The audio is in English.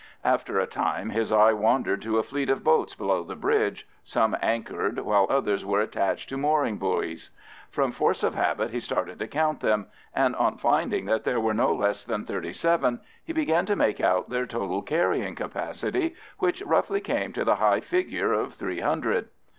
After a time his eye wandered to a fleet of boats below the bridge, some anchored, while others were attached to mooring buoys. From force of habit he started to count them, and on finding that there were no less than thirty seven, he began to make out their total carrying capacity, which roughly came to the high figure of three hundred.